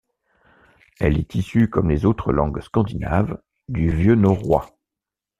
Elle est issue, comme les autres langues scandinaves, du vieux norrois.